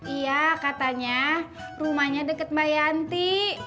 iya katanya rumahnya dekat mbak yanti